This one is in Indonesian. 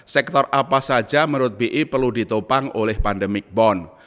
sektor apa saja menurut bi perlu ditopang oleh pandemic bond